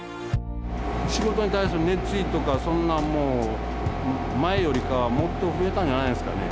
仕事に対する熱意とかそんなんもう前よりかはもっと増えたんじゃないですかね。